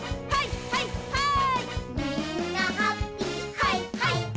はははい！